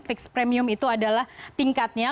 fixed premium itu adalah tingkatnya